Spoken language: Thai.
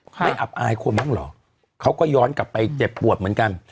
ไม่อับอายคนบ้างเหรอเขาก็ย้อนกลับไปเจ็บปวดเหมือนกัน